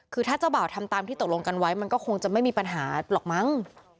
คือถ้าเจ้าบ่าวทำตามที่ตกลงกันไว้มันก็คงจะไม่มีปัญหาหรอกมั้ง